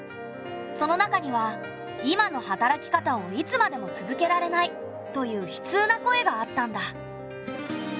その中には「今の働き方をいつまでも続けられない」という悲痛な声があったんだ。